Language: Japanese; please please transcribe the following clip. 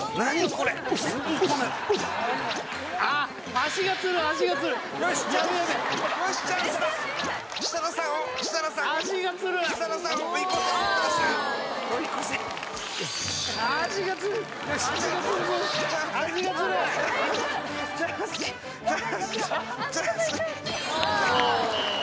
足がつる！